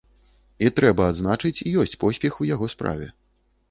І трэба адзначыць, ёсць поспех у яго справе.